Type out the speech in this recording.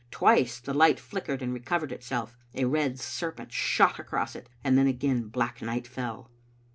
Twice the light flickered and recovered itself. A red serpent shot across it, and then again black night fell.